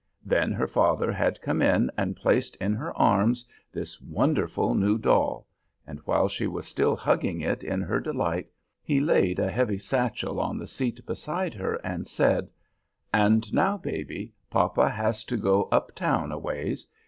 Then her father had come in and placed in her arms this wonderful new doll, and while she was still hugging it in her delight, he laid a heavy satchel on the seat beside her and said, "And now, baby, papa has to go up town a ways.